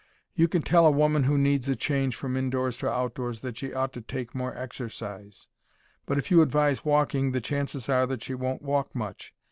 You can tell a woman who needs a change from indoors to outdoors that she ought to take more exercise, but if you advise walking the chances are that she won't walk much.